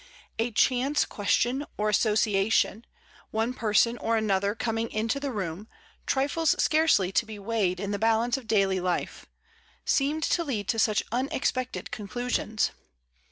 A chance question or association, one person or another com ing into the room, trifles scarcely to be weighed in the balance of daily life, seem to lead to such un expected conclusions.